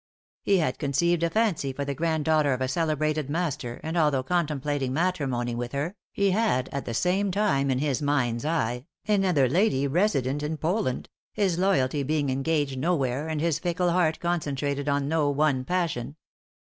He had conceived a fancy for the granddaughter of a celebrated master, and although contemplating matrimony with her, he had at the same time in his mind's eye another lady resident in Poland, his loyalty being engaged nowhere and his fickle heart concentrated on no one passion.